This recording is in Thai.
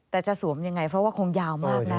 แต่จะสวมยังไงเพราะว่าคงยาวมากนะ